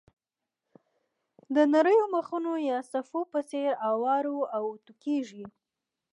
د نریو مخونو یا صفحو په څېر اوار او اوتو کېږي.